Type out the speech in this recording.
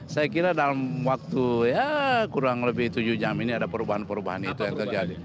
saya kira dalam waktu ya kurang lebih tujuh jam ini ada perubahan perubahan itu yang terjadi